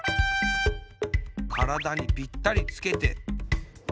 からだにぴったりつけて。